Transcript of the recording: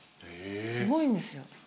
すごいんですよ。